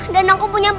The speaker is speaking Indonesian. dan aku punya papa